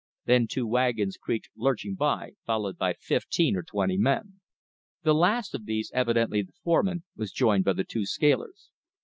Then two wagons creaked lurching by, followed by fifteen or twenty men. The last of these, evidently the foreman, was joined by the two scalers.